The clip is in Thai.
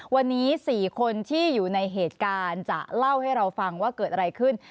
วันนี้๔คนที่อยู่ในเหตุการณ์จะเล่าให้เราฟังว่าเกิดอะไรขึ้น